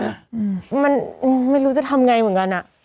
อืมมันไม่รู้จะทำไงเหมือนกันอ่ะ